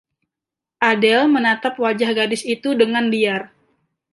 Adele menatap wajah gadis itu dengan liar.